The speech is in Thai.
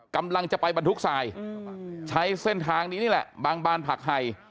กำลังจะไปบรรทุกทรายใช้เส้นทางนี้นี่แหละบางบานผักไห่